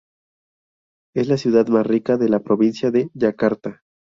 Es la ciudad más rica de la provincia de Yakarta.